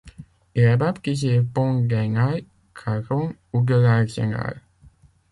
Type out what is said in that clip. Il est baptisé pont d'Ainay, Carron ou de l'Arsenal.